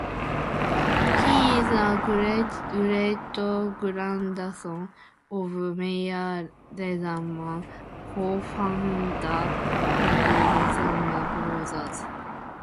He is a great-great-grandson of Mayer Lehman, co-founder of Lehman Brothers.